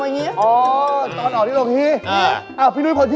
หากเจ้าบอกรถ